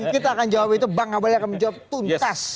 kita akan jawab itu bang ngabalin akan menjawab tuntas